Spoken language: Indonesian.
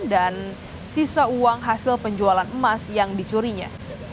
dan sisa uang hasil penjualan emas yang dicurinya